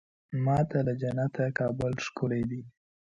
ما ته له جنته کابل ښکلی دی.